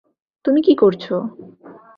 তুমি কি করছ?